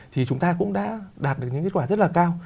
thì chúng ta cũng đã đạt được những kết quả rất là cao